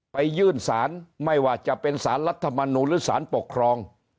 ไปยื่นสารไม่ว่าจะเป็นสารรัฐมนูลหรือสารปกครอง